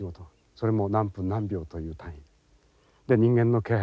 それも何分何秒という単位。で人間の気配